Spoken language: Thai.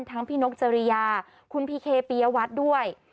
ทั้งพี่นกจริยาคุณพีเคปียวัฒน์ด้วย